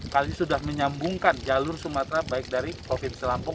kali ini sudah menyambungkan jalur sumatera baik dari provinsi lampung